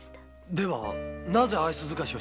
ではなぜ愛想づかしを？